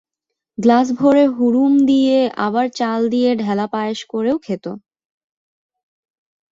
Glass ভরে, হুড়ুম দিয়ে, আবার চাল দিয়ে ঢেলা পায়েস করেও খেত।